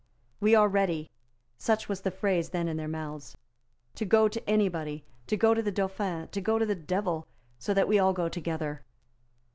"We are ready," such was the phrase then in their mouths, "to go to any body, to go to the Dauphin, to go to the Devil, so that we all go together."